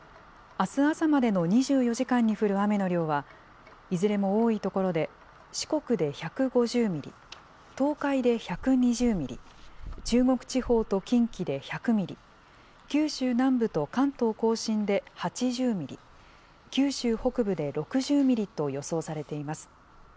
あす朝までの２４時間に降る雨の量はいずれも多い所で、四国で１５０ミリ、東海で１２０ミリ、中国地方と近畿で１００ミリ、九州南部と関東甲信で８０ミリ、九州北部で６０ミリと予想されています。